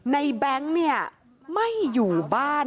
แบงค์เนี่ยไม่อยู่บ้าน